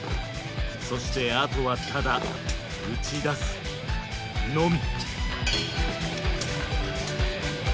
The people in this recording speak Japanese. そしてあとはただ打ち出すのみ！